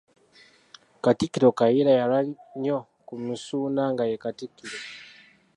Katikkiro Kayiira yalwa nnyo ku Misuuna nga ye Katikkiro.